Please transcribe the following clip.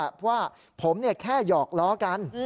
เพราะว่าผมแค่หยอกล้อกัน